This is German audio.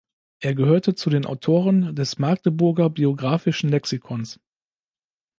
Er gehörte zu den Autoren des Magdeburger Biographischen Lexikons.